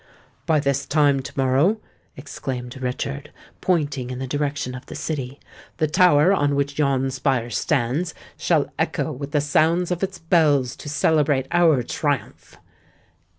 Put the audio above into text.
"By this time to morrow," exclaimed Richard, pointing in the direction of the city, "the tower on which yon spire stands shall echo with the sounds of its bells to celebrate our triumph!"